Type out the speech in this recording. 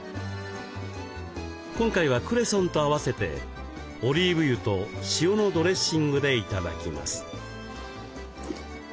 今回はクレソンと合わせてオリーブ油と塩のドレッシングで頂きます。